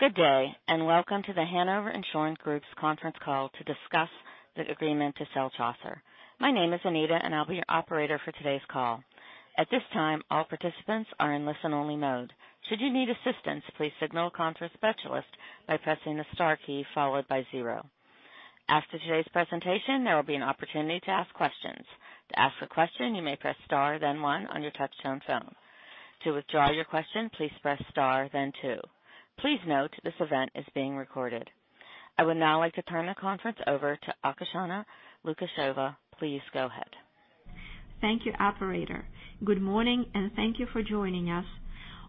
Good day. Welcome to The Hanover Insurance Group's conference call to discuss the agreement to sell Chaucer. My name is Anita, and I'll be your operator for today's call. At this time, all participants are in listen-only mode. Should you need assistance, please signal a conference specialist by pressing the star key followed by zero. After today's presentation, there will be an opportunity to ask questions. To ask a question, you may press star then one on your touch-tone phone. To withdraw your question, please press star then two. Please note, this event is being recorded. I would now like to turn the conference over to Oksana Lukasheva. Please go ahead. Thank you, operator. Good morning. Thank you for joining us.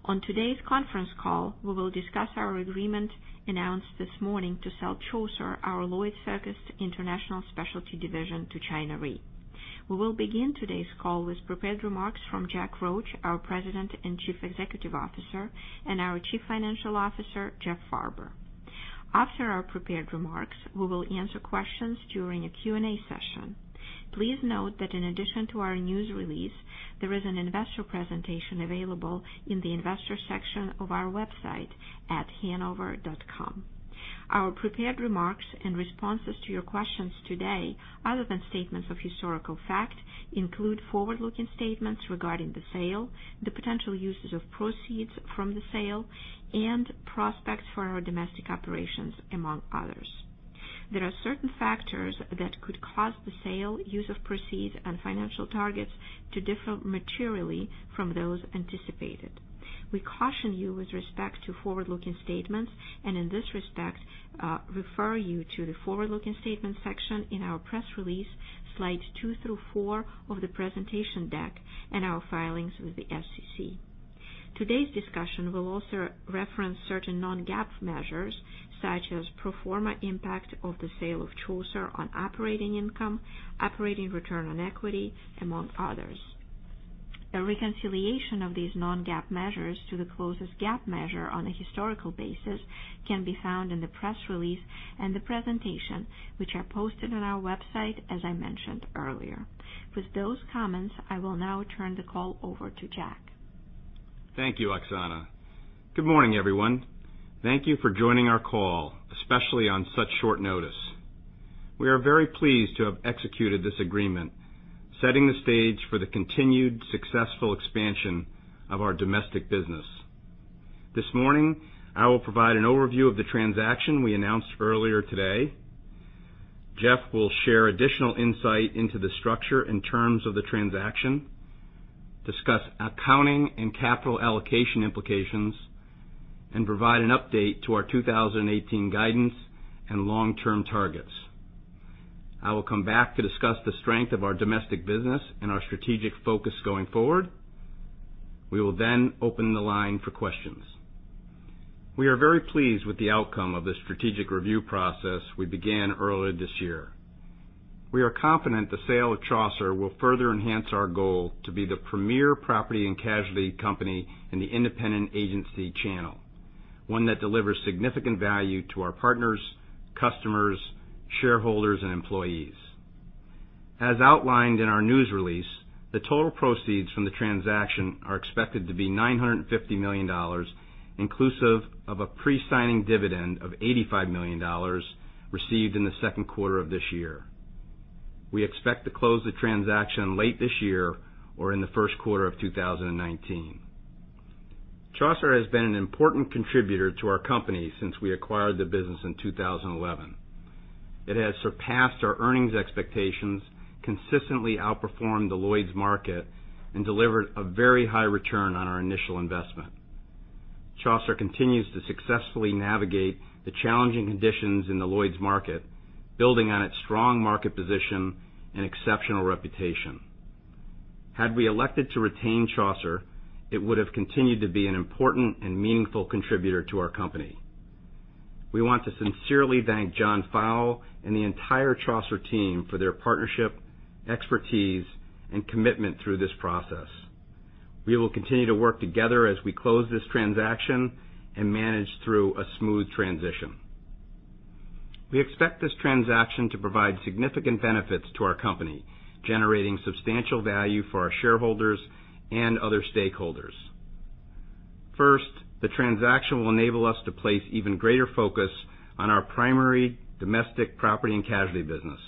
On today's conference call, we will discuss our agreement announced this morning to sell Chaucer, our Lloyd's focused international specialty division to China Re. We will begin today's call with prepared remarks from Jack Roche, our President and Chief Executive Officer, and our Chief Financial Officer, Jeff Farber. After our prepared remarks, we will answer questions during a Q&A session. Please note that in addition to our news release, there is an investor presentation available in the investor section of our website at hanover.com. Our prepared remarks and responses to your questions today, other than statements of historical fact, include forward-looking statements regarding the sale, the potential uses of proceeds from the sale, and prospects for our domestic operations, among others. There are certain factors that could cause the sale, use of proceeds, and financial targets to differ materially from those anticipated. We caution you with respect to forward-looking statements. In this respect, refer you to the forward-looking statements section in our press release, slides two through four of the presentation deck, and our filings with the SEC. Today's discussion will also reference certain non-GAAP measures, such as pro forma impact of the sale of Chaucer on operating income, operating return on equity, among others. A reconciliation of these non-GAAP measures to the closest GAAP measure on a historical basis can be found in the press release and the presentation, which are posted on our website, as I mentioned earlier. With those comments, I will now turn the call over to Jack. Thank you, Oksana. Good morning, everyone. Thank you for joining our call, especially on such short notice. We are very pleased to have executed this agreement, setting the stage for the continued successful expansion of our domestic business. This morning, I will provide an overview of the transaction we announced earlier today. Jeff will share additional insight into the structure and terms of the transaction, discuss accounting and capital allocation implications, and provide an update to our 2018 guidance and long-term targets. I will come back to discuss the strength of our domestic business and our strategic focus going forward. We will open the line for questions. We are very pleased with the outcome of the strategic review process we began earlier this year. We are confident the sale of Chaucer will further enhance our goal to be the premier property and casualty company in the independent agency channel, one that delivers significant value to our partners, customers, shareholders, and employees. As outlined in our news release, the total proceeds from the transaction are expected to be $950 million, inclusive of a pre-signing dividend of $85 million received in the second quarter of this year. We expect to close the transaction late this year or in the first quarter of 2019. Chaucer has been an important contributor to our company since we acquired the business in 2011. It has surpassed our earnings expectations, consistently outperformed the Lloyd's market, and delivered a very high return on our initial investment. Chaucer continues to successfully navigate the challenging conditions in the Lloyd's market, building on its strong market position and exceptional reputation. Had we elected to retain Chaucer, it would have continued to be an important and meaningful contributor to our company. We want to sincerely thank John Fowle and the entire Chaucer team for their partnership, expertise, and commitment through this process. We will continue to work together as we close this transaction and manage through a smooth transition. We expect this transaction to provide significant benefits to our company, generating substantial value for our shareholders and other stakeholders. First, the transaction will enable us to place even greater focus on our primary domestic property and casualty business,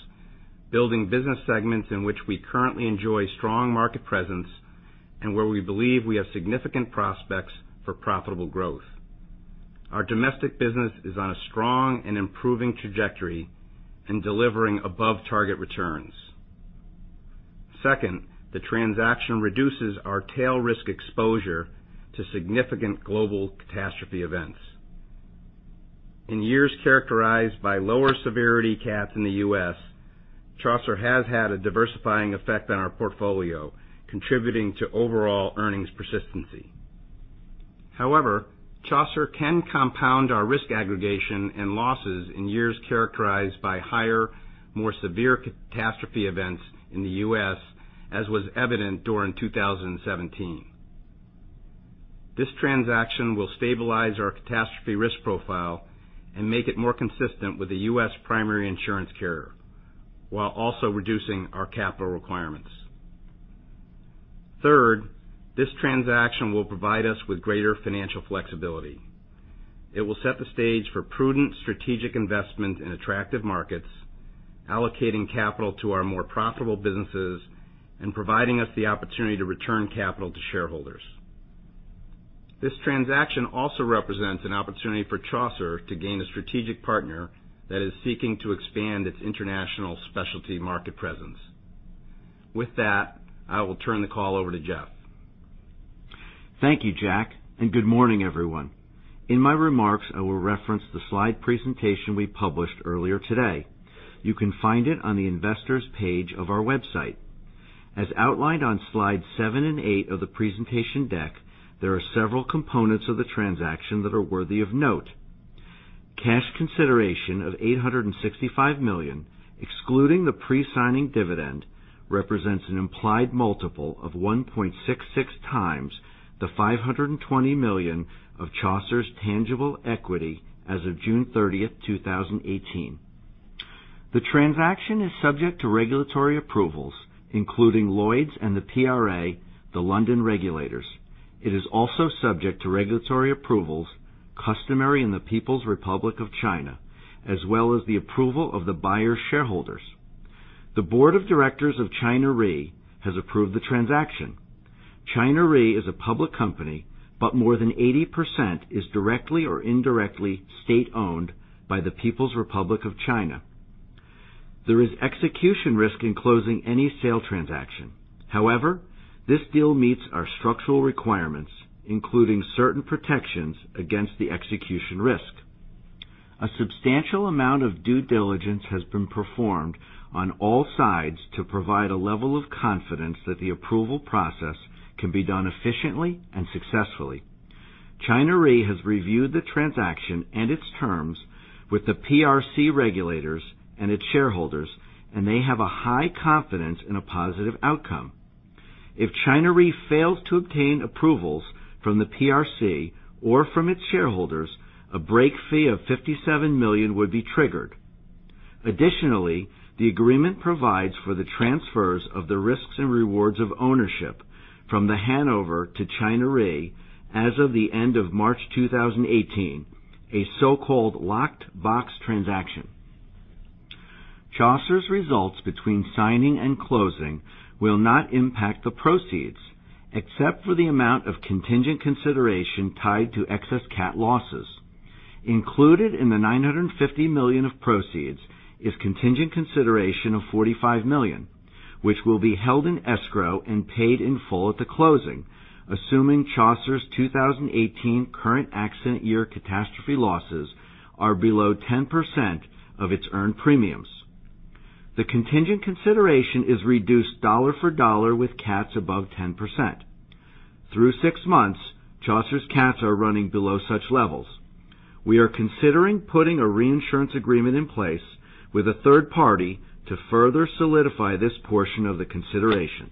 building business segments in which we currently enjoy strong market presence and where we believe we have significant prospects for profitable growth. Our domestic business is on a strong and improving trajectory and delivering above-target returns. Second, the transaction reduces our tail risk exposure to significant global catastrophe events. In years characterized by lower-severity cats in the U.S., Chaucer has had a diversifying effect on our portfolio, contributing to overall earnings persistency. However, Chaucer can compound our risk aggregation and losses in years characterized by higher, more severe catastrophe events in the U.S., as was evident during 2017. This transaction will stabilize our catastrophe risk profile and make it more consistent with a U.S. primary insurance carrier while also reducing our capital requirements. Third, this transaction will provide us with greater financial flexibility. It will set the stage for prudent strategic investment in attractive markets, allocating capital to our more profitable businesses and providing us the opportunity to return capital to shareholders. This transaction also represents an opportunity for Chaucer to gain a strategic partner that is seeking to expand its international specialty market presence. With that, I will turn the call over to Jeff. Thank you, Jack, and good morning, everyone. In my remarks, I will reference the slide presentation we published earlier today. You can find it on the investors page of our website. As outlined on slides seven and eight of the presentation deck, there are several components of the transaction that are worthy of note. Cash consideration of $865 million, excluding the pre-signing dividend, represents an implied multiple of 1.66 times the $520 million of Chaucer's tangible equity as of June 30, 2018. The transaction is subject to regulatory approvals, including Lloyd's and the PRA, the London regulators. It is also subject to regulatory approvals customary in the People's Republic of China, as well as the approval of the buyer's shareholders. The board of directors of China Re has approved the transaction. China Re is a public company, more than 80% is directly or indirectly state-owned by the People's Republic of China. There is execution risk in closing any sale transaction. This deal meets our structural requirements, including certain protections against the execution risk. A substantial amount of due diligence has been performed on all sides to provide a level of confidence that the approval process can be done efficiently and successfully. China Re has reviewed the transaction and its terms with the PRC regulators and its shareholders, they have a high confidence in a positive outcome. China Re fails to obtain approvals from the PRC or from its shareholders, a break fee of $57 million would be triggered. The agreement provides for the transfers of the risks and rewards of ownership from The Hanover to China Re as of the end of March 2018, a so-called locked box transaction. Chaucer's results between signing and closing will not impact the proceeds, except for the amount of contingent consideration tied to excess cat losses. Included in the $950 million of proceeds is contingent consideration of $45 million, which will be held in escrow and paid in full at the closing, assuming Chaucer's 2018 current accident year catastrophe losses are below 10% of its earned premiums. The contingent consideration is reduced dollar for dollar with cats above 10%. Through six months, Chaucer's cats are running below such levels. We are considering putting a reinsurance agreement in place with a third party to further solidify this portion of the consideration.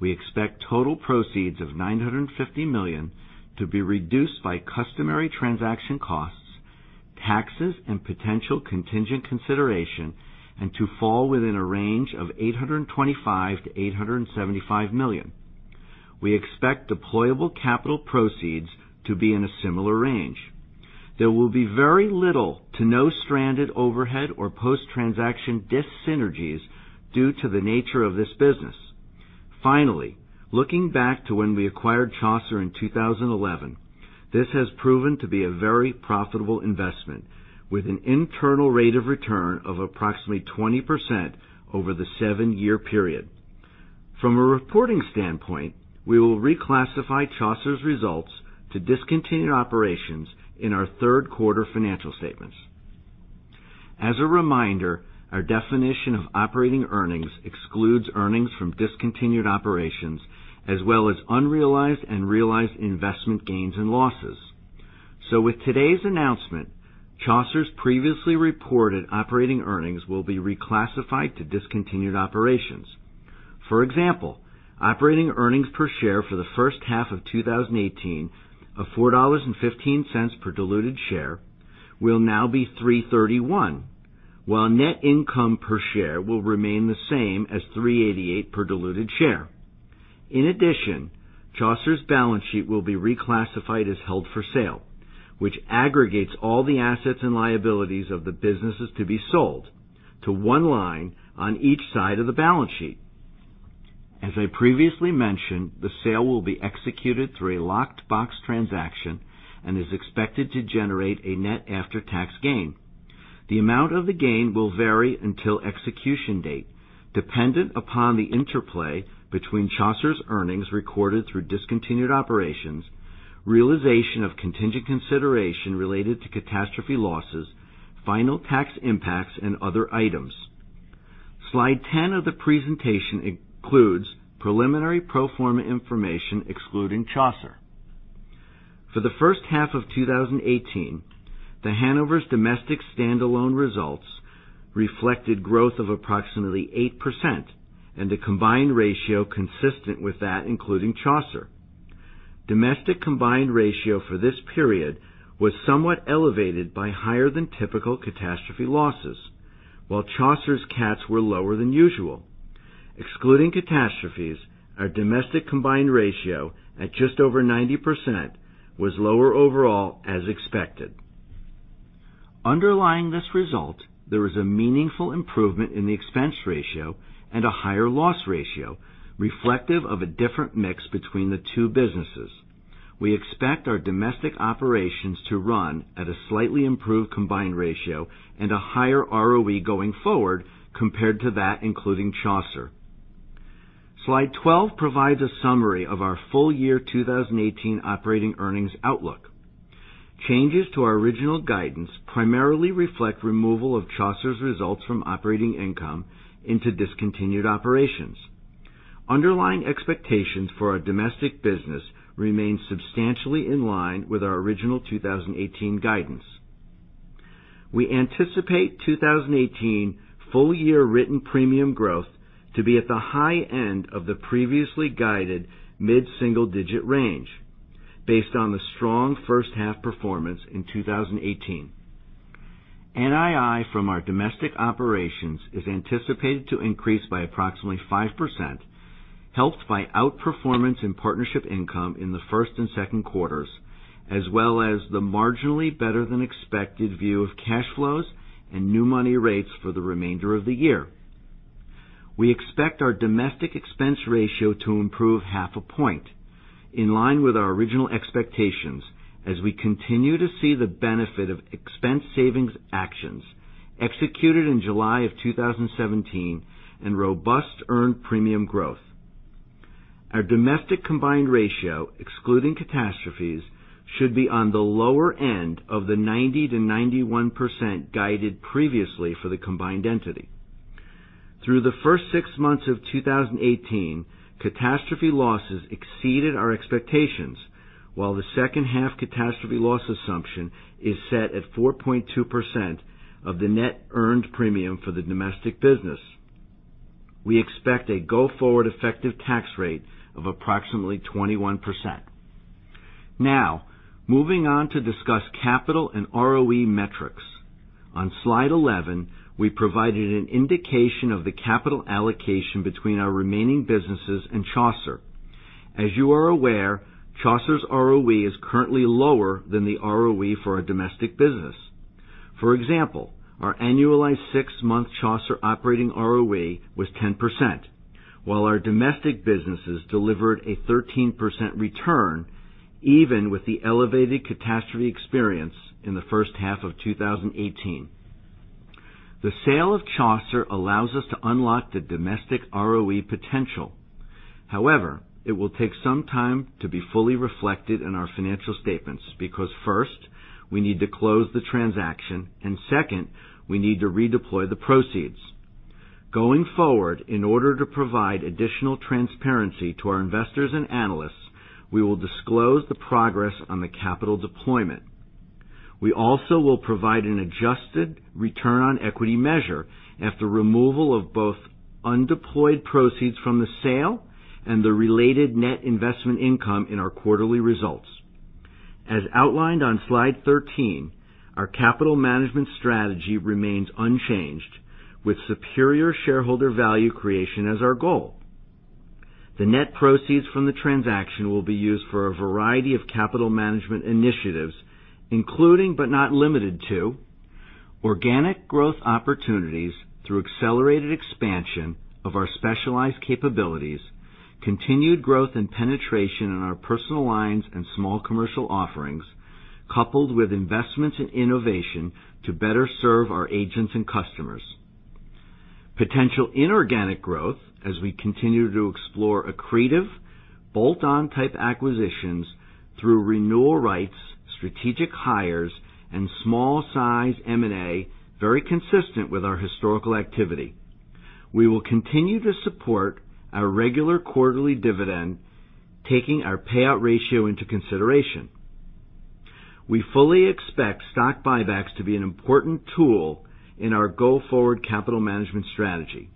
We expect total proceeds of $950 million to be reduced by customary transaction costs, taxes, and potential contingent consideration, and to fall within a range of $825 million-$875 million. We expect deployable capital proceeds to be in a similar range. There will be very little to no stranded overhead or post-transaction dis-synergies due to the nature of this business. Looking back to when we acquired Chaucer in 2011, this has proven to be a very profitable investment with an internal rate of return of approximately 20% over the seven-year period. From a reporting standpoint, we will reclassify Chaucer's results to discontinued operations in our third quarter financial statements. Our definition of operating earnings excludes earnings from discontinued operations, as well as unrealized and realized investment gains and losses. With today's announcement, Chaucer's previously reported operating earnings will be reclassified to discontinued operations. Operating earnings per share for the first half of 2018 of $4.15 per diluted share will now be $3.31, while net income per share will remain the same as $3.88 per diluted share. Chaucer's balance sheet will be reclassified as held for sale, which aggregates all the assets and liabilities of the businesses to be sold to one line on each side of the balance sheet. The sale will be executed through a locked box transaction and is expected to generate a net after-tax gain. The amount of the gain will vary until execution date, dependent upon the interplay between Chaucer's earnings recorded through discontinued operations, realization of contingent consideration related to catastrophe losses, final tax impacts, and other items. Slide 10 of the presentation includes preliminary pro forma information excluding Chaucer. For the first half of 2018, The Hanover's domestic standalone results reflected growth of approximately 8% and a combined ratio consistent with that, including Chaucer. Domestic combined ratio for this period was somewhat elevated by higher than typical catastrophe losses. While Chaucer's cats were lower than usual. Excluding catastrophes, our domestic combined ratio, at just over 90%, was lower overall as expected. Underlying this result, there was a meaningful improvement in the expense ratio and a higher loss ratio reflective of a different mix between the two businesses. We expect our domestic operations to run at a slightly improved combined ratio and a higher ROE going forward compared to that including Chaucer. Slide 12 provides a summary of our full year 2018 operating earnings outlook. Changes to our original guidance primarily reflect removal of Chaucer's results from operating income into discontinued operations. Underlying expectations for our domestic business remain substantially in line with our original 2018 guidance. We anticipate 2018 full year written premium growth to be at the high end of the previously guided mid-single digit range based on the strong first half performance in 2018. NII from our domestic operations is anticipated to increase by approximately 5%, helped by outperformance in partnership income in the first and second quarters, as well as the marginally better than expected view of cash flows and new money rates for the remainder of the year. We expect our domestic expense ratio to improve half a point, in line with our original expectations as we continue to see the benefit of expense savings actions executed in July of 2017 and robust earned premium growth. Our domestic combined ratio, excluding catastrophes, should be on the lower end of the 90%-91% guided previously for the combined entity. Through the first six months of 2018, catastrophe losses exceeded our expectations, while the second half catastrophe loss assumption is set at 4.2% of the net earned premium for the domestic business. We expect a go-forward effective tax rate of approximately 21%. Now, moving on to discuss capital and ROE metrics. On Slide 11, we provided an indication of the capital allocation between our remaining businesses and Chaucer. As you are aware, Chaucer's ROE is currently lower than the ROE for our domestic business. For example, our annualized six-month Chaucer operating ROE was 10%, while our domestic businesses delivered a 13% return even with the elevated catastrophe experience in the first half of 2018. The sale of Chaucer allows us to unlock the domestic ROE potential. However, it will take some time to be fully reflected in our financial statements because first, we need to close the transaction. Second, we need to redeploy the proceeds. Going forward, in order to provide additional transparency to our investors and analysts, we will disclose the progress on the capital deployment. We also will provide an adjusted return on equity measure after removal of both undeployed proceeds from the sale and the related net investment income in our quarterly results. As outlined on Slide 13, our capital management strategy remains unchanged, with superior shareholder value creation as our goal. The net proceeds from the transaction will be used for a variety of capital management initiatives, including but not limited to organic growth opportunities through accelerated expansion of our specialized capabilities, continued growth and penetration in our personal lines and small commercial offerings, coupled with investments in innovation to better serve our agents and customers. Potential inorganic growth as we continue to explore accretive, bolt-on type acquisitions through renewal rights, strategic hires, and small size M&A very consistent with our historical activity. We will continue to support our regular quarterly dividend, taking our payout ratio into consideration. We fully expect stock buybacks to be an important tool in our go-forward capital management strategy,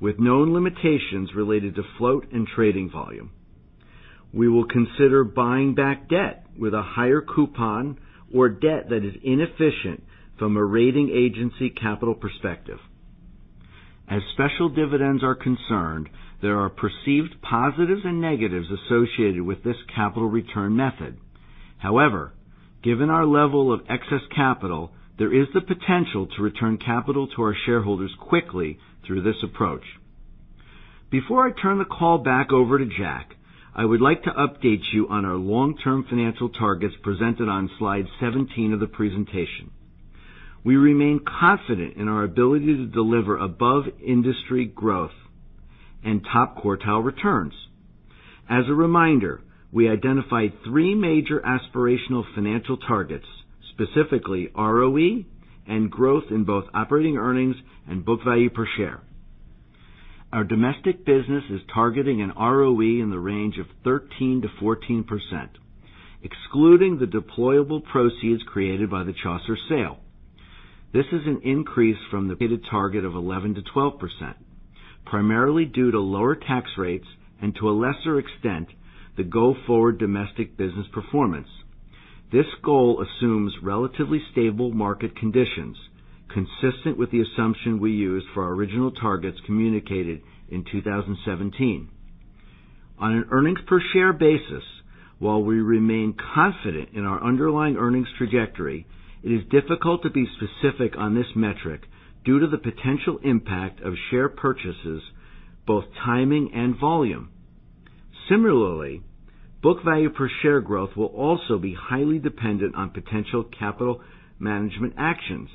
with known limitations related to float and trading volume. We will consider buying back debt with a higher coupon or debt that is inefficient from a rating agency capital perspective. As special dividends are concerned, there are perceived positives and negatives associated with this capital return method. Given our level of excess capital, there is the potential to return capital to our shareholders quickly through this approach. Before I turn the call back over to Jack, I would like to update you on our long-term financial targets presented on Slide 17 of the presentation. We remain confident in our ability to deliver above-industry growth and top quartile returns. As a reminder, we identified three major aspirational financial targets, specifically ROE and growth in both operating earnings and book value per share. Our domestic business is targeting an ROE in the range of 13%-14%, excluding the deployable proceeds created by the Chaucer sale. This is an increase from the targeted target of 11%-12%, primarily due to lower tax rates and, to a lesser extent, the go-forward domestic business performance. This goal assumes relatively stable market conditions, consistent with the assumption we used for our original targets communicated in 2017. On an earnings per share basis, while we remain confident in our underlying earnings trajectory, it is difficult to be specific on this metric due to the potential impact of share purchases, both timing and volume. Similarly, book value per share growth will also be highly dependent on potential capital management actions.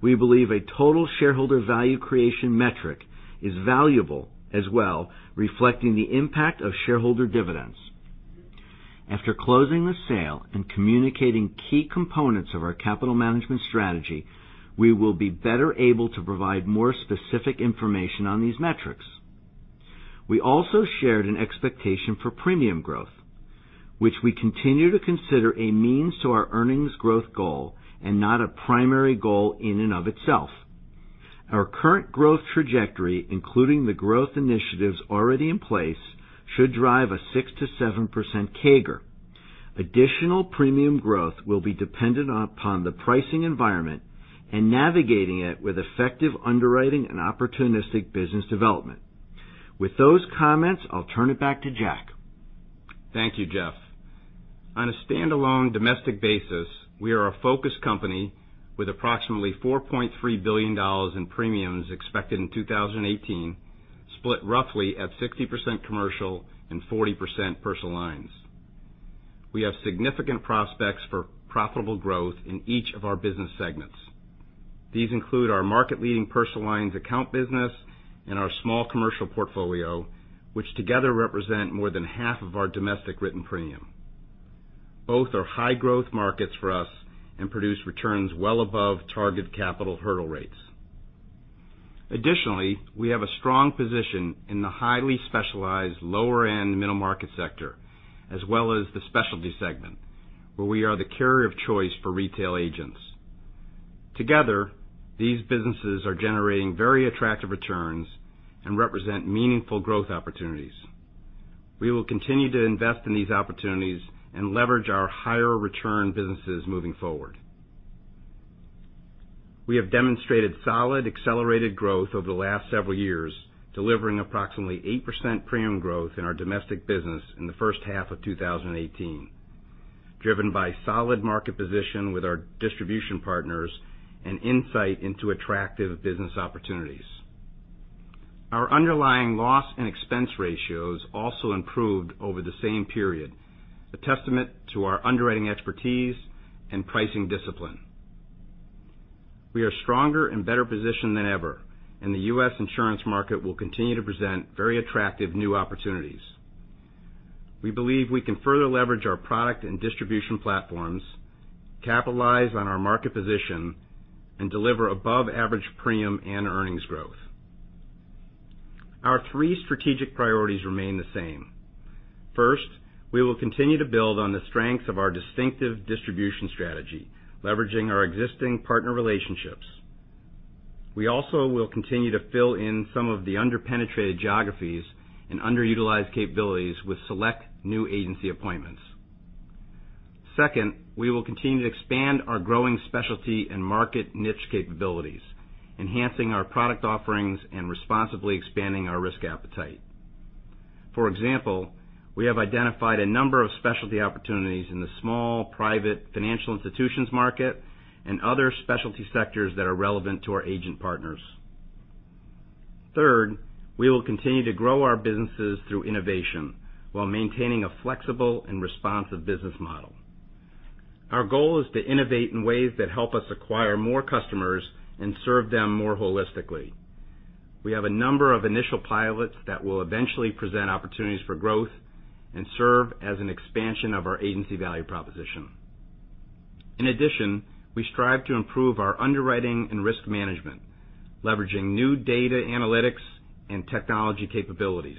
We believe a total shareholder value creation metric is valuable as well, reflecting the impact of shareholder dividends. After closing the sale and communicating key components of our capital management strategy, we will be better able to provide more specific information on these metrics. We also shared an expectation for premium growth, which we continue to consider a means to our earnings growth goal and not a primary goal in and of itself. Our current growth trajectory, including the growth initiatives already in place, should drive a 6%-7% CAGR. Additional premium growth will be dependent upon the pricing environment and navigating it with effective underwriting and opportunistic business development. With those comments, I'll turn it back to Jack. Thank you, Jeff. On a standalone domestic basis, we are a focused company with approximately $4.3 billion in premiums expected in 2018, split roughly at 60% commercial and 40% personal lines. We have significant prospects for profitable growth in each of our business segments. These include our market-leading personal lines account business and our small commercial portfolio, which together represent more than half of our domestic written premium. Both are high-growth markets for us and produce returns well above target capital hurdle rates. Additionally, we have a strong position in the highly specialized lower-end middle market sector, as well as the specialty segment, where we are the carrier of choice for retail agents. Together, these businesses are generating very attractive returns and represent meaningful growth opportunities. We will continue to invest in these opportunities and leverage our higher return businesses moving forward. We have demonstrated solid accelerated growth over the last several years, delivering approximately 8% premium growth in our domestic business in the first half of 2018, driven by solid market position with our distribution partners and insight into attractive business opportunities. Our underlying loss and expense ratios also improved over the same period, a testament to our underwriting expertise and pricing discipline. The U.S. insurance market will continue to present very attractive new opportunities. We believe we can further leverage our product and distribution platforms, capitalize on our market position, and deliver above-average premium and earnings growth. Our three strategic priorities remain the same. First, we will continue to build on the strength of our distinctive distribution strategy, leveraging our existing partner relationships. We also will continue to fill in some of the under-penetrated geographies and underutilized capabilities with select new agency appointments. Second, we will continue to expand our growing specialty and market niche capabilities, enhancing our product offerings and responsibly expanding our risk appetite. For example, we have identified a number of specialty opportunities in the small private financial institutions market and other specialty sectors that are relevant to our agent partners. Third, we will continue to grow our businesses through innovation while maintaining a flexible and responsive business model. Our goal is to innovate in ways that help us acquire more customers and serve them more holistically. We have a number of initial pilots that will eventually present opportunities for growth and serve as an expansion of our agency value proposition. In addition, we strive to improve our underwriting and risk management, leveraging new data analytics and technology capabilities.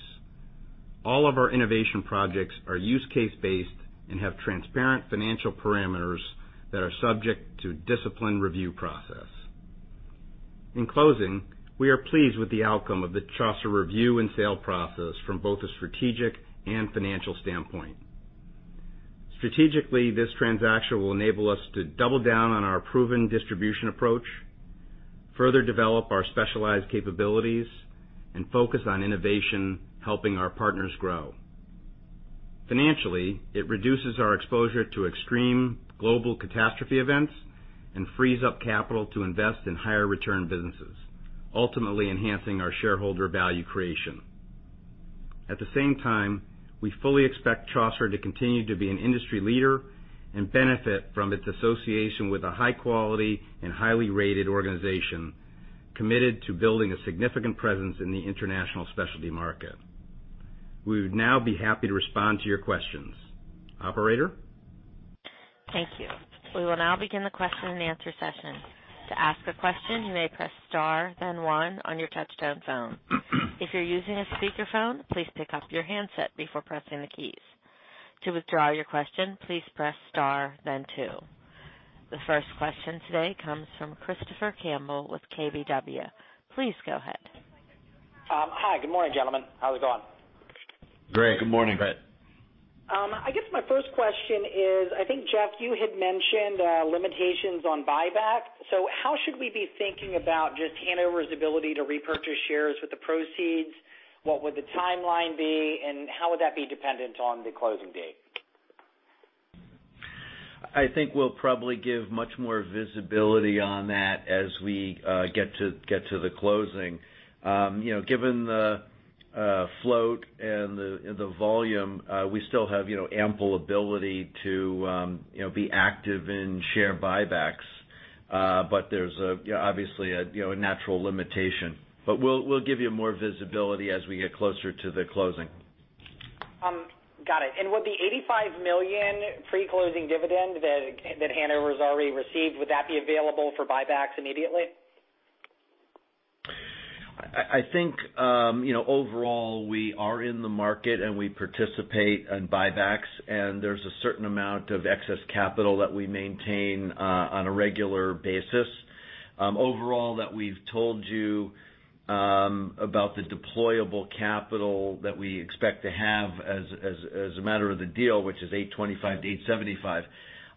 All of our innovation projects are use case-based and have transparent financial parameters that are subject to disciplined review process. In closing, we are pleased with the outcome of the Chaucer review and sale process from both a strategic and financial standpoint. Strategically, this transaction will enable us to double down on our proven distribution approach, further develop our specialized capabilities, and focus on innovation, helping our partners grow. Financially, it reduces our exposure to extreme global catastrophe events and frees up capital to invest in higher return businesses, ultimately enhancing our shareholder value creation. At the same time, we fully expect Chaucer to continue to be an industry leader and benefit from its association with a high-quality and highly rated organization committed to building a significant presence in the international specialty market. We would now be happy to respond to your questions. Operator? Thank you. We will now begin the question and answer session. To ask a question, you may press star then one on your touchtone phone. If you're using a speakerphone, please pick up your handset before pressing the keys. To withdraw your question, please press star then two. The first question today comes from Christopher Campbell with KBW. Please go ahead. Hi, good morning, gentlemen. How's it going? Great. Good morning. Great. I guess my first question is, I think, Jeff, you had mentioned limitations on buyback. How should we be thinking about just Hanover's ability to repurchase shares with the proceeds? What would the timeline be, and how would that be dependent on the closing date? I think we'll probably give much more visibility on that as we get to the closing. Given the float and the volume, we still have ample ability to be active in share buybacks. There's obviously a natural limitation. We'll give you more visibility as we get closer to the closing. Got it. Would the $85 million pre-closing dividend that Hanover has already received, would that be available for buybacks immediately? I think, overall, we are in the market, and we participate in buybacks, and there's a certain amount of excess capital that we maintain on a regular basis. Overall, that we've told you about the deployable capital that we expect to have as a matter of the deal, which is $825 million-$875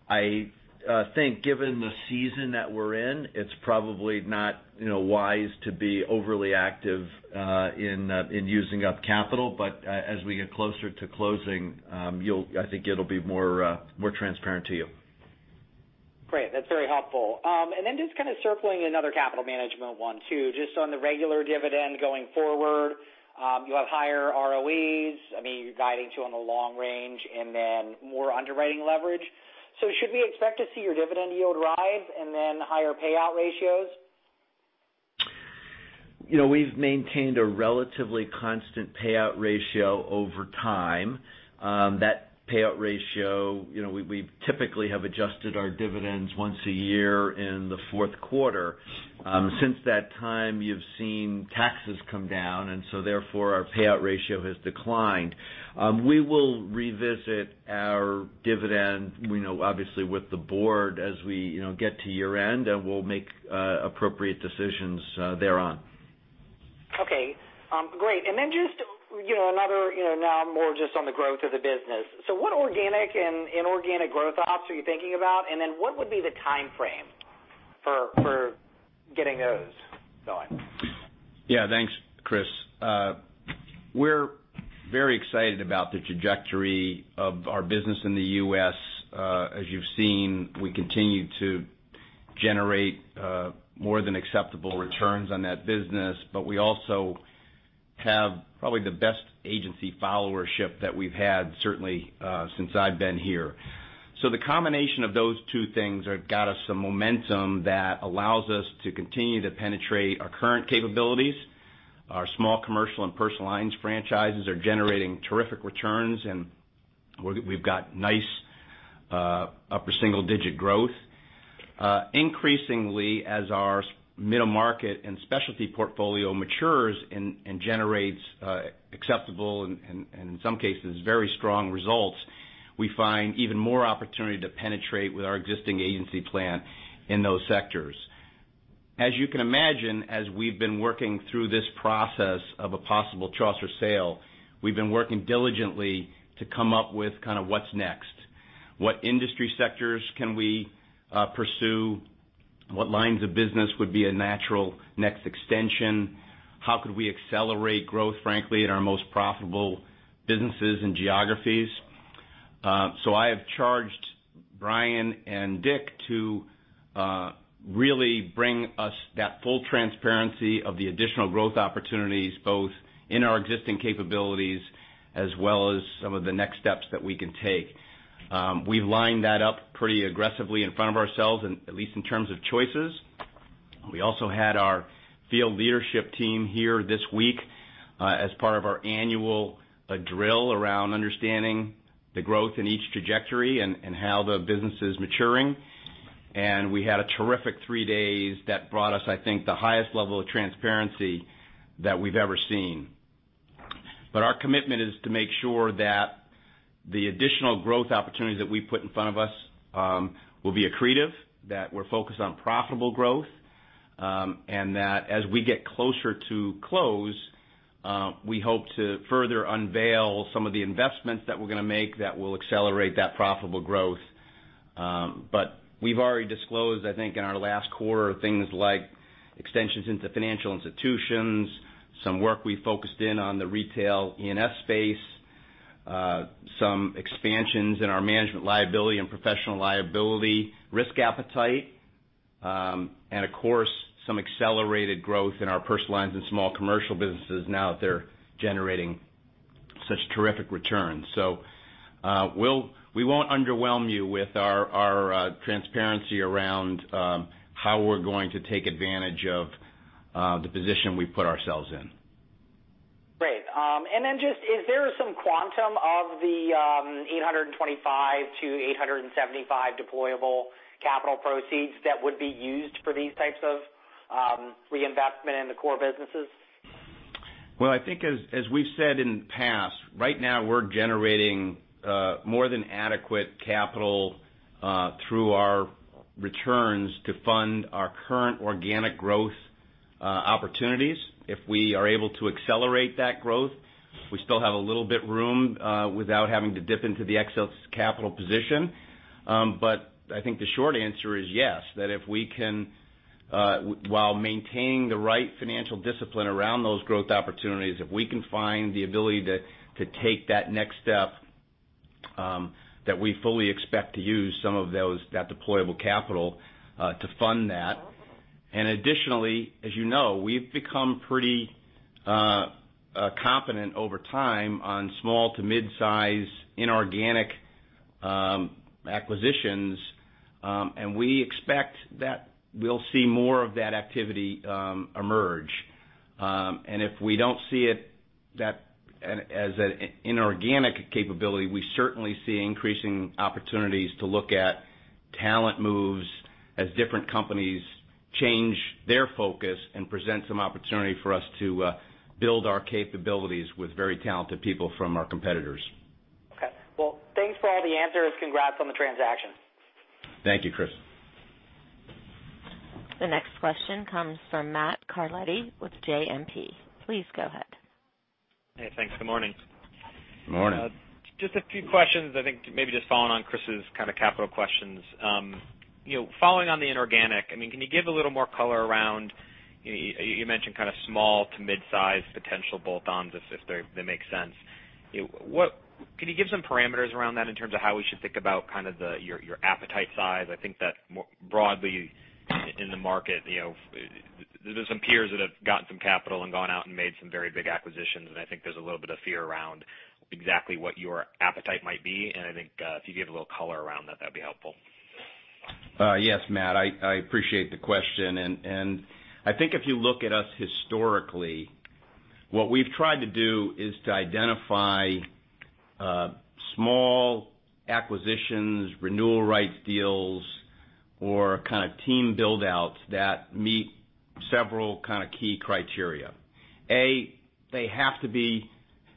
million. I think given the season that we're in, it's probably not wise to be overly active in using up capital. As we get closer to closing, I think it'll be more transparent to you. Great. That's very helpful. Just kind of circling another capital management one too, just on the regular dividend going forward. You have higher ROEs, you're guiding to on the long range, and then more underwriting leverage. Should we expect to see your dividend yield rise and then higher payout ratios? We've maintained a relatively constant payout ratio over time. That payout ratio, we typically have adjusted our dividends once a year in the fourth quarter. Since that time, you've seen taxes come down. Therefore, our payout ratio has declined. We will revisit our dividend, obviously with the board as we get to year-end. We'll make appropriate decisions thereon. Okay, great. Just another now more just on the growth of the business. What organic and inorganic growth ops are you thinking about? What would be the timeframe for getting those going? Yeah. Thanks, Chris. We're very excited about the trajectory of our business in the U.S. As you've seen, we continue to generate more than acceptable returns on that business. We also have probably the best agency followership that we've had, certainly, since I've been here. The combination of those two things have got us some momentum that allows us to continue to penetrate our current capabilities. Our small commercial and personal lines franchises are generating terrific returns. We've got nice upper single-digit growth. Increasingly, as our middle market and specialty portfolio matures and generates acceptable and in some cases, very strong results, we find even more opportunity to penetrate with our existing agency plan in those sectors. As you can imagine, as we've been working through this process of a possible Chaucer sale, we've been working diligently to come up with kind of what's next. What industry sectors can we pursue? What lines of business would be a natural next extension? How could we accelerate growth, frankly, at our most profitable businesses and geographies? I have charged Bryan and Dick to really bring us that full transparency of the additional growth opportunities, both in our existing capabilities as well as some of the next steps that we can take. We've lined that up pretty aggressively in front of ourselves, at least in terms of choices. We also had our field leadership team here this week as part of our annual drill around understanding the growth in each trajectory and how the business is maturing. We had a terrific three days that brought us, I think, the highest level of transparency that we've ever seen. Our commitment is to make sure that the additional growth opportunities that we put in front of us will be accretive, that we're focused on profitable growth, and that as we get closer to close, we hope to further unveil some of the investments that we're going to make that will accelerate that profitable growth. We've already disclosed, I think, in our last quarter, things like extensions into financial institutions, some work we focused in on the retail E&S space, some expansions in our management liability and professional liability risk appetite. Of course, some accelerated growth in our personal lines and small commercial businesses now that they're generating such terrific returns. We won't underwhelm you with our transparency around how we're going to take advantage of the position we've put ourselves in. Great. Then just, is there some quantum of the $825-$875 deployable capital proceeds that would be used for these types of reinvestment in the core businesses? Well, I think as we've said in the past, right now we're generating more than adequate capital through our returns to fund our current organic growth opportunities. If we are able to accelerate that growth, we still have a little bit of room without having to dip into the excess capital position. I think the short answer is yes, that if we can, while maintaining the right financial discipline around those growth opportunities, if we can find the ability to take that next step, that we fully expect to use some of that deployable capital to fund that. Additionally, as you know, we've become pretty competent over time on small-to-mid-size inorganic acquisitions. We expect that we'll see more of that activity emerge. If we don't see it as an inorganic capability, we certainly see increasing opportunities to look at talent moves as different companies change their focus and present some opportunity for us to build our capabilities with very talented people from our competitors. Okay. Well, thanks for all the answers. Congrats on the transaction. Thank you, Chris. The next question comes from Matthew Carletti with JMP. Please go ahead. Hey, thanks. Good morning. Good morning. Just a few questions, I think maybe just following on Chris' kind of capital questions. Following on the inorganic, can you give a little more color around, you mentioned kind of small to mid-size potential bolt-ons, if they make sense. Can you give some parameters around that in terms of how we should think about your appetite size? I think that broadly in the market, there's some peers that have gotten some capital and gone out and made some very big acquisitions, and I think there's a little bit of fear around exactly what your appetite might be. I think if you could give a little color around that'd be helpful. Yes, Matt, I appreciate the question. I think if you look at us historically, what we've tried to do is to identify small acquisitions, renewal rights deals or kind of team build-outs that meet several key criteria. A, they have to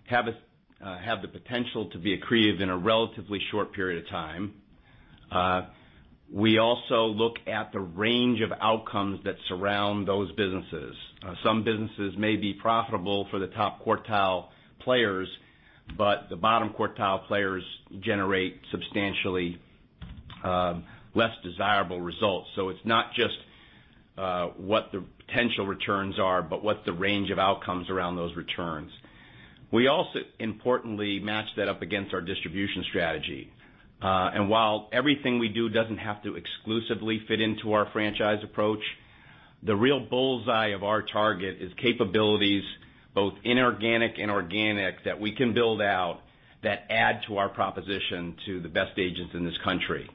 have the potential to be accretive in a relatively short period of time. We also look at the range of outcomes that surround those businesses. Some businesses may be profitable for the top quartile players, but the bottom quartile players generate substantially less desirable results. It's not just what the potential returns are, but what the range of outcomes around those returns. We also importantly match that up against our distribution strategy. While everything we do doesn't have to exclusively fit into our franchise approach, the real bullseye of our target is capabilities both inorganic and organic that we can build out that add to our proposition to the best agents in this country.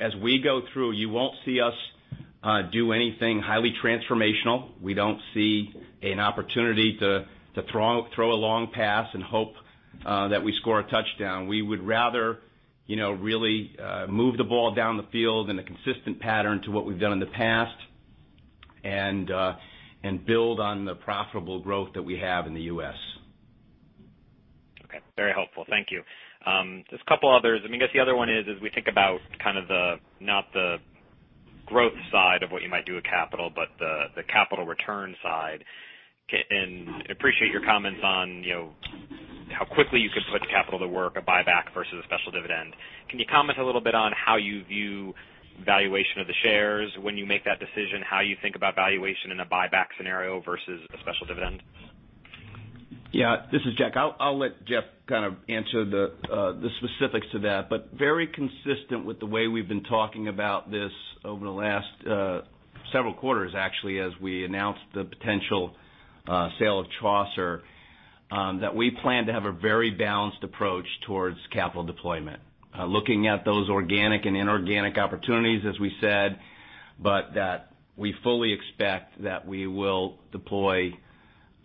As we go through, you won't see us do anything highly transformational. We don't see an opportunity to throw a long pass and hope that we score a touchdown. We would rather really move the ball down the field in a consistent pattern to what we've done in the past and build on the profitable growth that we have in the U.S. Okay. Very helpful. Thank you. Just a couple others. I guess the other one is as we think about not the growth side of what you might do with capital, but the capital return side. Appreciate your comments on how quickly you could put capital to work, a buyback versus a special dividend. Can you comment a little bit on how you view valuation of the shares when you make that decision, how you think about valuation in a buyback scenario versus a special dividend? Yeah. This is Jack Roche. I'll let Jeff Farber kind of answer the specifics to that, but very consistent with the way we've been talking about this over the last several quarters, actually, as we announced the potential sale of Chaucer, that we plan to have a very balanced approach towards capital deployment. Looking at those organic and inorganic opportunities, as we said, that we fully expect that we will deploy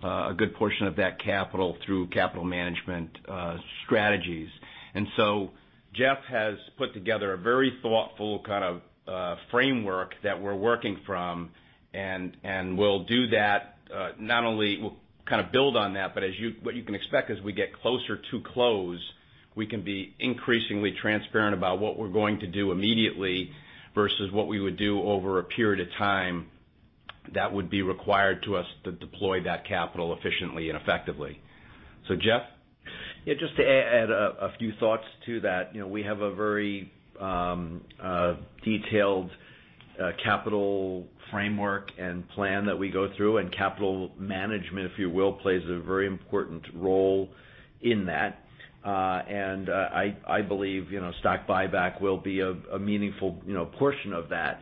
a good portion of that capital through capital management strategies. Jeff Farber has put together a very thoughtful kind of framework that we're working from, we'll do that, not only kind of build on that, but what you can expect as we get closer to close, we can be increasingly transparent about what we're going to do immediately versus what we would do over a period of time that would be required to us to deploy that capital efficiently and effectively. Jeff Farber? Just to add a few thoughts to that. We have a very detailed capital framework and plan that we go through, capital management, if you will, plays a very important role in that. I believe stock buyback will be a meaningful portion of that.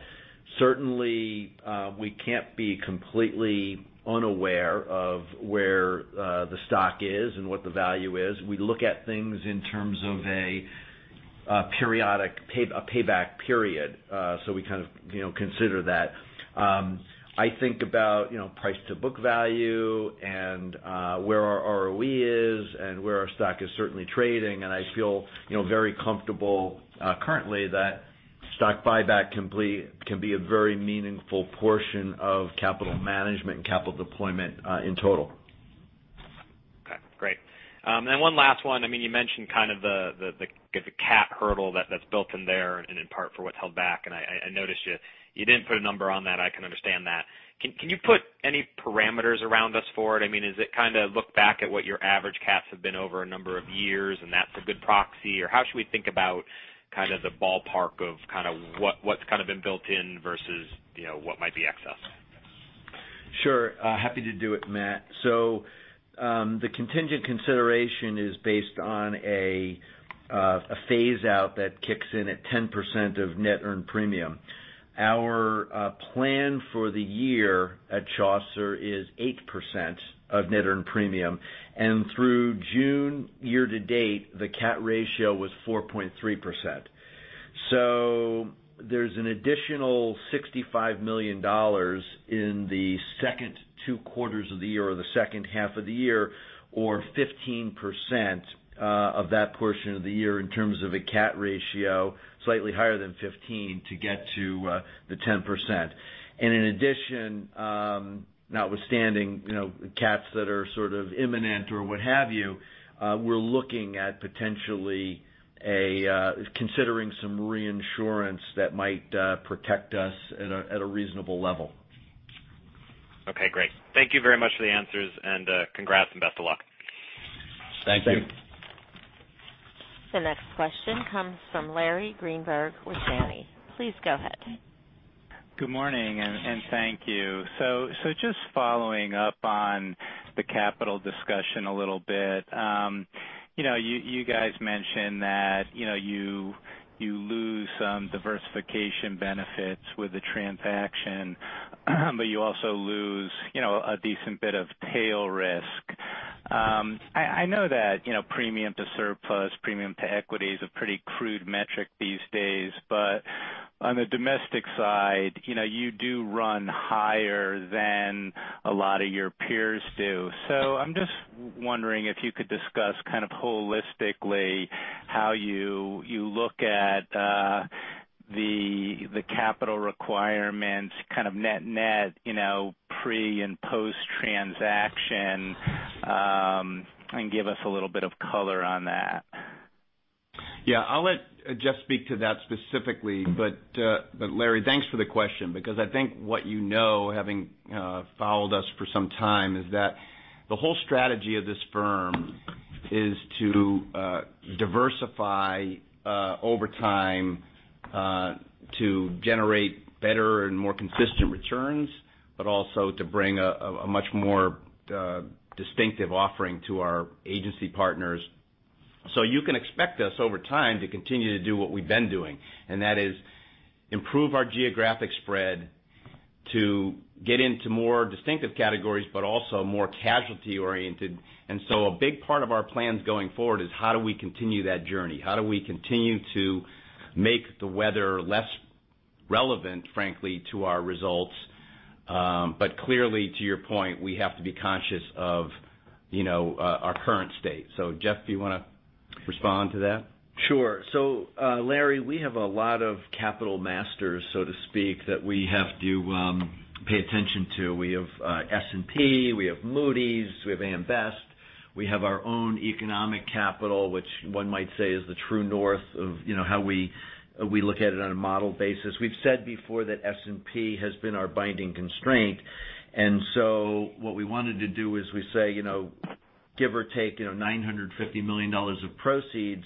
Certainly, we can't be completely unaware of where the stock is and what the value is. We look at things in terms of a payback period. We kind of consider that. I think about price to book value and where our ROE is and where our stock is certainly trading, I feel very comfortable currently that Stock buyback can be a very meaningful portion of capital management and capital deployment in total. Okay, great. One last one. You mentioned the cat hurdle that's built in there and in part for what's held back. I noticed you didn't put a number on that, I can understand that. Can you put any parameters around this for it? Is it look back at what your average cats have been over a number of years, that's a good proxy, or how should we think about the ballpark of what's been built in versus what might be excess? Sure. Happy to do it, Matt. The contingent consideration is based on a phase-out that kicks in at 10% of net earned premium. Our plan for the year at Chaucer is 8% of net earned premium. Through June year to date, the cat ratio was 4.3%. There's an additional $65 million in the second two quarters of the year or the second half of the year, or 15% of that portion of the year in terms of a cat ratio, slightly higher than 15 to get to the 10%. In addition, notwithstanding cats that are imminent or what have you, we're looking at potentially considering some reinsurance that might protect us at a reasonable level. Okay, great. Thank you very much for the answers, and congrats and best of luck. Thank you. Thank you. The next question comes from Larry Greenberg with Janney. Please go ahead. Good morning, and thank you. Just following up on the capital discussion a little bit. You guys mentioned that you lose some diversification benefits with the transaction, but you also lose a decent bit of tail risk. I know that premium to surplus, premium to equity is a pretty crude metric these days, but on the domestic side, you do run higher than a lot of your peers do. I'm just wondering if you could discuss holistically how you look at the capital requirements net net, pre and post-transaction, and give us a little bit of color on that. I'll let Jeff speak to that specifically, but, Larry, thanks for the question, because I think what you know, having followed us for some time, is that the whole strategy of this firm is to diversify over time to generate better and more consistent returns, but also to bring a much more distinctive offering to our agency partners. You can expect us over time to continue to do what we've been doing, and that is improve our geographic spread to get into more distinctive categories, but also more casualty-oriented. A big part of our plans going forward is how do we continue that journey? How do we continue to make the weather less relevant, frankly, to our results? Clearly, to your point, we have to be conscious of our current state. Jeff, do you want to respond to that? Sure. Larry, we have a lot of capital masters, so to speak, that we have to pay attention to. We have S&P, we have Moody's, we have AM Best. We have our own economic capital, which one might say is the true north of how we look at it on a model basis. We've said before that S&P has been our binding constraint, what we wanted to do is we say, give or take $950 million of proceeds,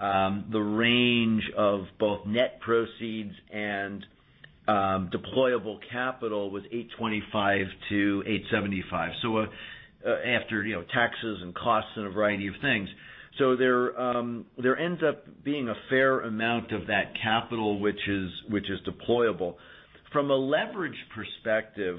the range of both net proceeds and deployable capital was $825-$875. After taxes and costs and a variety of things. There ends up being a fair amount of that capital which is deployable. From a leverage perspective,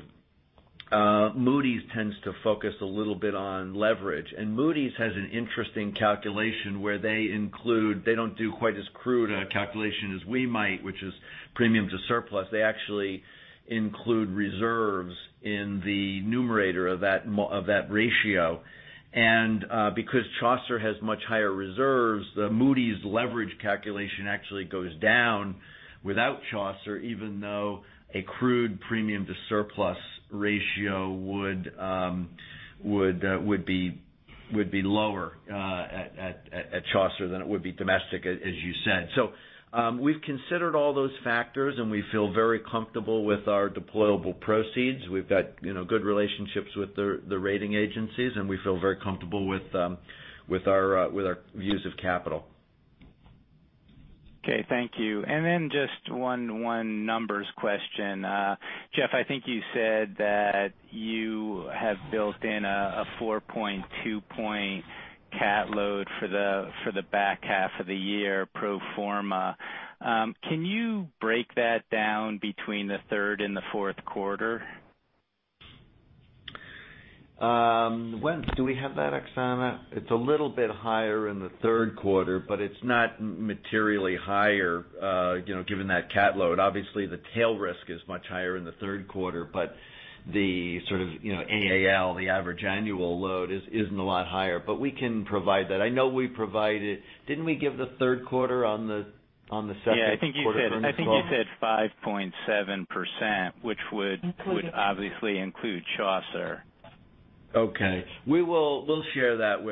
Moody's tends to focus a little bit on leverage. Moody's has an interesting calculation where they include, they don't do quite as crude a calculation as we might, which is premium to surplus. They actually include reserves in the numerator of that ratio. Because Chaucer has much higher reserves, the Moody's leverage calculation actually goes down without Chaucer, even though a crude premium to surplus ratio would be lower at Chaucer than it would be domestic, as you said. We've considered all those factors, and we feel very comfortable with our deployable proceeds. We've got good relationships with the rating agencies, and we feel very comfortable with our views of capital. Okay. Thank you. Just one numbers question. Jeff, I think you said that you have built in a 4.2-point cat load for the back half of the year pro forma. Can you break that down between the third and the fourth quarter? When do we have that, Oksana? It's a little bit higher in the third quarter. It's not materially higher. Given that cat load, obviously the tail risk is much higher in the third quarter. The AAL, the average annual load, isn't a lot higher. We can provide that. I know we provide it. Didn't we give the third quarter on the second quarter earnings call? Yeah, I think you said 5.7%, which would obviously include Chaucer. Okay. We'll share that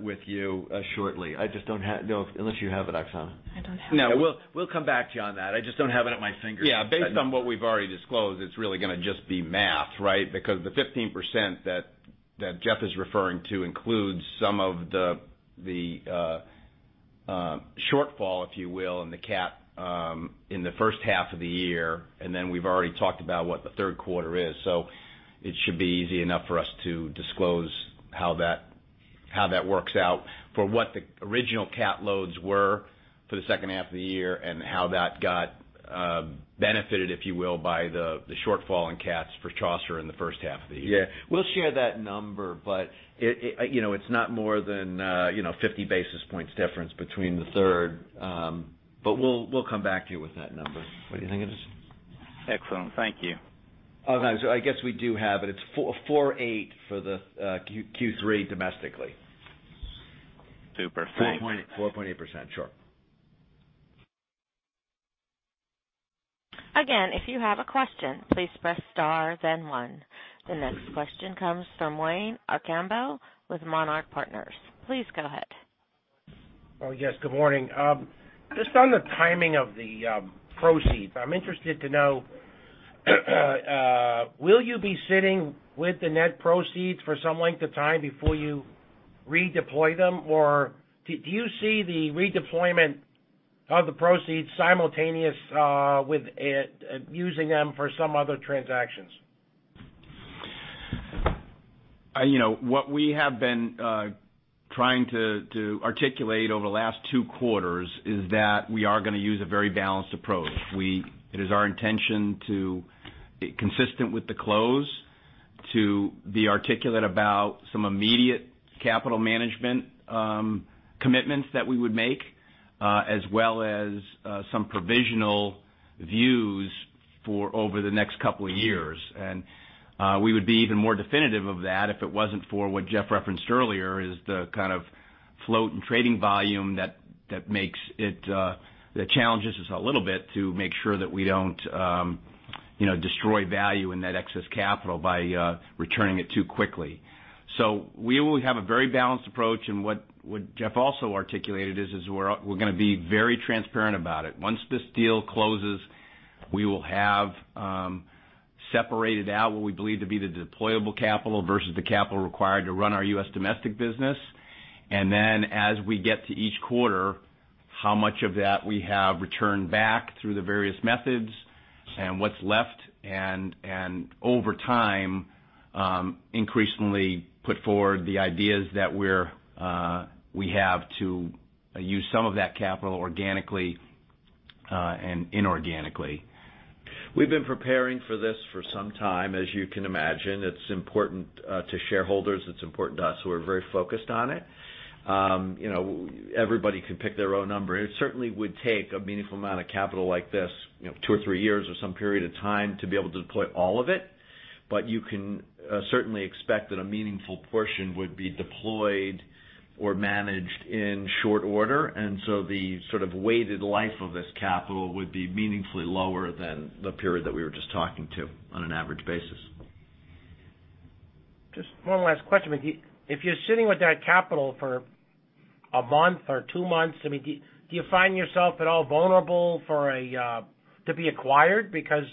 with you shortly. I just don't have it, unless you have it, Oksana. I don't have it. No, we'll come back to you on that. I just don't have it at my fingertips. Yeah, based on what we've already disclosed, it's really going to just be math, right? The 15% that Jeff is referring to includes some of the shortfall, if you will, in the cat in the first half of the year, and then we've already talked about what the third quarter is. It should be easy enough for us to disclose how that works out for what the original cat loads were for the second half of the year, and how that got benefited, if you will, by the shortfall in cats for Chaucer in the first half of the year. Yeah. We'll share that number. It's not more than 50 basis points difference between the third. We'll come back to you with that number. What do you think it is? Excellent. Thank you. Oksana, I guess we do have it. It's 4.8% for the Q3 domestically. Super. Thanks. 4.8%. Sure. Again, if you have a question, please press star then one. The next question comes from Wayne Akambo with Monarch Partners. Please go ahead. Oh, yes. Good morning. Just on the timing of the proceeds, I'm interested to know will you be sitting with the net proceeds for some length of time before you redeploy them? Or do you see the redeployment of the proceeds simultaneous with using them for some other transactions? What we have been trying to articulate over the last two quarters is that we are going to use a very balanced approach. It is our intention to be consistent with the close, to be articulate about some immediate capital management commitments that we would make, as well as some provisional views for over the next couple of years. We would be even more definitive of that if it wasn't for what Jeff referenced earlier is the kind of float and trading volume that challenges us a little bit to make sure that we don't destroy value in that excess capital by returning it too quickly. We will have a very balanced approach. What Jeff also articulated is we're going to be very transparent about it. Once this deal closes, we will have separated out what we believe to be the deployable capital versus the capital required to run our U.S. domestic business. As we get to each quarter, how much of that we have returned back through the various methods and what's left, and over time, increasingly put forward the ideas that we have to use some of that capital organically and inorganically. We've been preparing for this for some time. As you can imagine, it's important to shareholders, it's important to us, so we're very focused on it. Everybody can pick their own number. It certainly would take a meaningful amount of capital like this, two or three years or some period of time to be able to deploy all of it. You can certainly expect that a meaningful portion would be deployed or managed in short order, and so the sort of weighted life of this capital would be meaningfully lower than the period that we were just talking to on an average basis. Just one last question. If you're sitting with that capital for a month or two months, do you find yourself at all vulnerable to be acquired? Because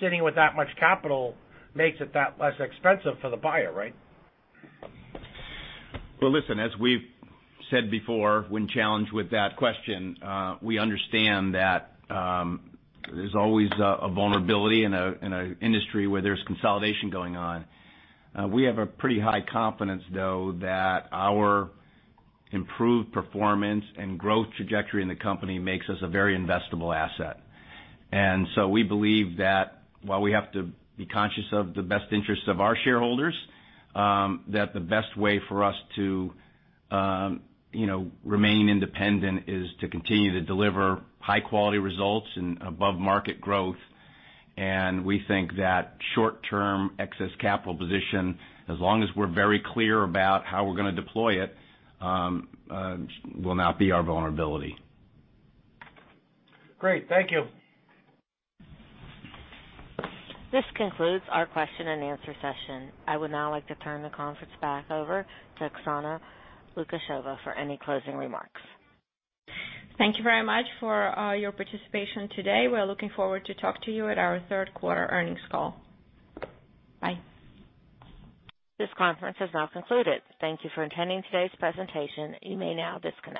sitting with that much capital makes it that less expensive for the buyer, right? Well, listen, as we've said before, when challenged with that question, we understand that there's always a vulnerability in an industry where there's consolidation going on. We have a pretty high confidence, though, that our improved performance and growth trajectory in the company makes us a very investable asset. We believe that while we have to be conscious of the best interests of our shareholders, that the best way for us to remain independent is to continue to deliver high-quality results and above-market growth. We think that short-term excess capital position, as long as we're very clear about how we're going to deploy it, will not be our vulnerability. Great. Thank you. This concludes our question and answer session. I would now like to turn the conference back over to Oksana Lukasheva for any closing remarks. Thank you very much for your participation today. We are looking forward to talk to you at our third-quarter earnings call. Bye. This conference has now concluded. Thank you for attending today's presentation. You may now disconnect.